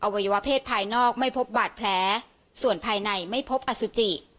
วัยวะเพศภายนอกไม่พบบาดแผลส่วนภายในไม่พบอสุจิ